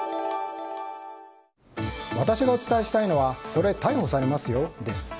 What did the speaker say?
私がお伝えしたいのはそれ逮捕されますよ、です。